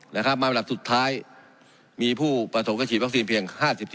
นะครับมาลับสุดท้ายมีผู้ต่อประวัติสถิตรชีดวัคซีนเพียง๕๑๘๕